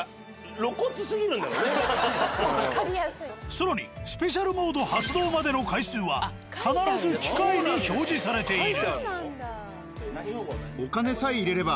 更にスペシャルモード発動までの回数は必ず機械に表示されている。